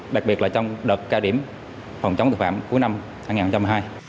đặc biệt là trong đợt cao điểm phòng chống thực phạm cuối năm hai nghìn một mươi hai